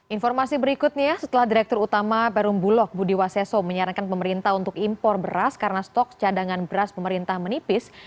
informasi berikutnya setelah direktur utama perum bulog budi waseso menyarankan pemerintah untuk impor beras karena stok cadangan beras pemerintah menipis